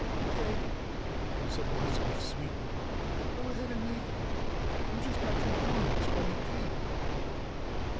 "Okay," said Elizabeth sweetly. "Go ahead and make it. You just got through telling us why you can't."